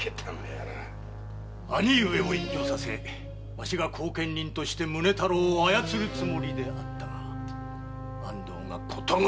兄上を隠居させわしが後見人として宗太郎を操るつもりであったが安藤が悉く潰しおった。